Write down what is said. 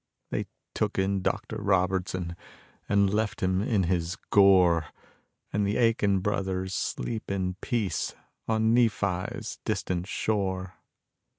They took in Dr. Robertson and left him in his gore, And the Aiken brothers sleep in peace on Nephi's distant shore.